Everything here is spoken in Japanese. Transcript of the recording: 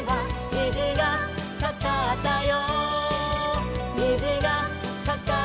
「にじがかかったよ」